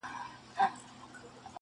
له سهاره تر ماښامه ګرځېدل وه -